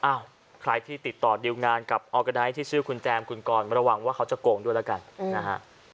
อ้าวใครที่ติดต่อดิวงานกับที่ชื่อคุณแจมคุณกรมาระวังว่าเขาจะโกงด้วยแล้วกันนะฮะ